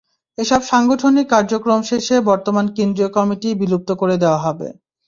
এসব সাংগঠনিক কার্যক্রম শেষে বর্তমান কেন্দ্রীয় কমিটি বিলুপ্ত করে দেওয়া হবে।